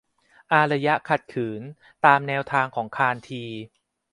อารยะขัดขืน ตามแนวทางของคานธี